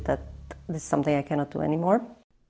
ini adalah sesuatu yang tidak bisa saya lakukan lagi